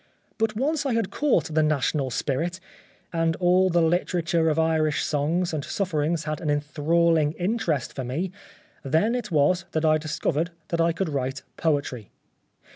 But once I had caught the National spirit, and all the literature of Irish songs and sufferings had an enthralling interest for me , then it was that I discovered that I could write poetry.